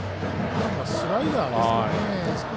今のはスライダーですかね。